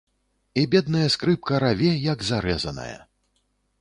І бедная скрыпка раве, як зарэзаная.